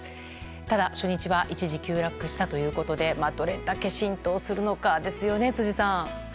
ただ初日は一時急落したということでどれだけ浸透するかですね辻さん。